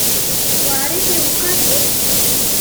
Weεrit iwqasen?